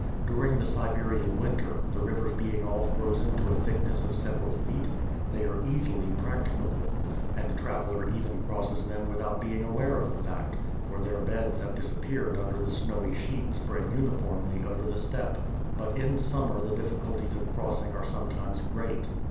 During the Siberian winter, the rivers being all frozen to a thickness of several feet, they are easily practicable, and the traveler even crosses them without being aware of the fact, for their beds have disappeared under the snowy sheet spread uniformly over the steppe; but in summer the difficulties of crossing are sometimes great.